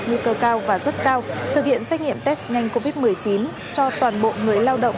nguy cơ cao và rất cao thực hiện xét nghiệm test nhanh covid một mươi chín cho toàn bộ người lao động